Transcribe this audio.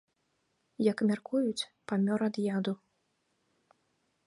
Як мяркуюць, памёр ад яду.